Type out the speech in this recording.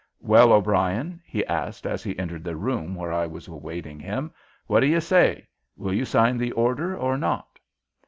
"Well, O'Brien," he asked, as he entered the room where I was awaiting him, "what do you say? Will you sign the order or not?"